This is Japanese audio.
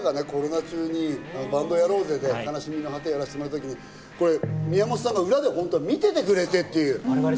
僕らがコロナ中に「バンドやろうぜ！」で『悲しみの果て』をやらせてもらった時に、宮本さん、裏で見ててくれた。